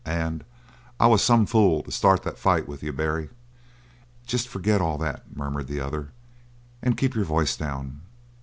And I was some fool to start that fight with you, Barry." "Jest forget all that," murmured the other. "And keep your voice down.